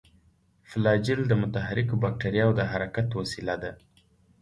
فلاجیل د متحرکو باکتریاوو د حرکت وسیله ده.